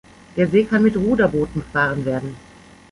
Der See kann mit Ruderbooten befahren werden.